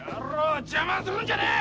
邪魔するんじゃねえ！